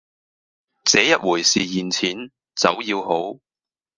這一回是現錢，酒要好